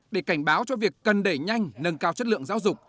để cảnh báo cho việc cần đẩy nhanh nâng cao chất lượng giáo dục